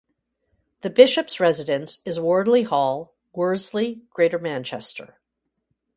The Bishop's residence is Wardley Hall, Worsley, Greater Manchester.